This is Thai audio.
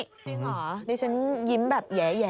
จริงเหรอดิฉันยิ้มแบบแยะ